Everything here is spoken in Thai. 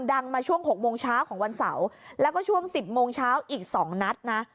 มาช่วง๖โมงเช้าของวันเสาร์แล้วก็ช่วง๑๐โมงเช้าอีก๒นัดนะ